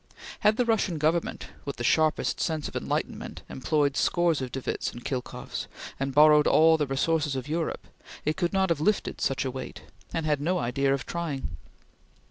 Had the Russian Government, with the sharpest sense of enlightenment, employed scores of de Wittes and Khilkoffs, and borrowed all the resources of Europe, it could not have lifted such a weight; and had no idea of trying.